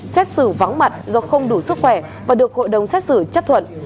xét xử vắng mặt do không đủ sức khỏe và được hội đồng xét xử chấp thuận